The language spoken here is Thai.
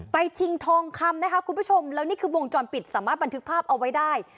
ชิงทองคำนะคะคุณผู้ชมแล้วนี่คือวงจรปิดสามารถบันทึกภาพเอาไว้ได้